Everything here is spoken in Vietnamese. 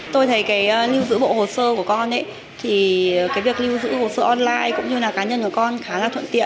tôi thấy cái lưu giữ bộ hồ sơ của con thì cái việc lưu giữ hồ sơ online cũng như là cá nhân của con khá là thuận tiện